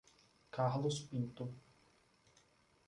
Carlos Pinto